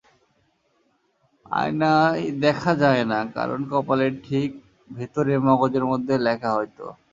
আয়নায় দেখা যায় না, কারণ কপালের ঠিক ভেতরে মগজের মধ্যে লেখা, হয়তো।